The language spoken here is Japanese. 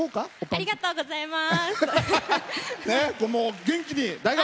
ありがとうございます。